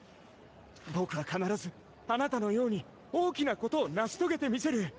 僕は必ず貴方のように大きなことを成し遂げてみせる！